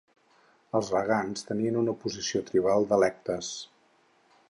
Els regants tenien una posició tribal d'electes.